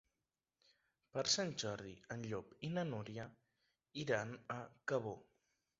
Per Sant Jordi en Llop i na Núria iran a Cabó.